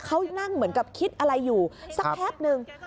เขานั่งเหมือนกับคิดอะไรอยู่สักแป๊บนึง